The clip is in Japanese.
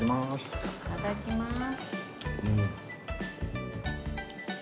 いただきます。